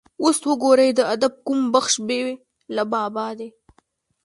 اوس وګورئ د ادب کوم بخش بې له بابا دی.